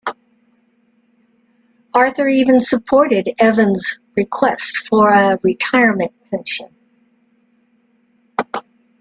Arthur even supported Evans' request for a retirement pension.